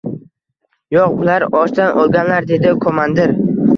— Yo‘q, ular ochdan o‘lganlar, — dedi komandir.